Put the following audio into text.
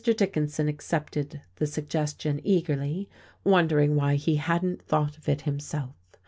Dickinson accepted the suggestion eagerly, wondering why he hadn't thought of it himself.